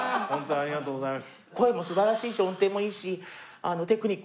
ありがとうございます。